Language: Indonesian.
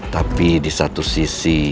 tapi di satu sisi